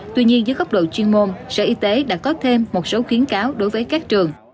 tuy nhiên dưới góc độ chuyên môn sở y tế đã có thêm một số khuyến cáo đối với các trường